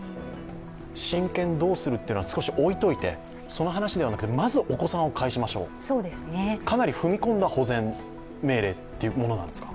親権どうするっていうのは一つ置いておいてその話ではなくて、まずお子さんを返しましょう、かなり踏み込んだ保全命令というものなんですか？